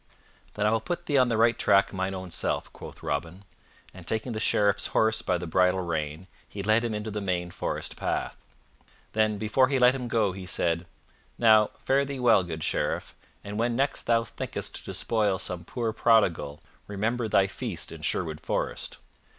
"Then I will put thee on the right track mine own self," quoth Robin, and, taking the Sheriff's horse by the bridle rein, he led him into the main forest path. Then, before he let him go, he said, "Now, fare thee well, good Sheriff, and when next thou thinkest to despoil some poor prodigal, remember thy feast in Sherwood Forest.